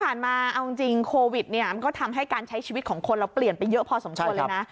มาเอาจริงโควิดเนี่ยมันก็ทำให้การใช้ชีวิตของคนเราเปลี่ยนไปเยอะพอสมควรเลยนะ